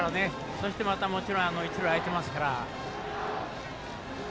そして、もちろん一塁空いてますから。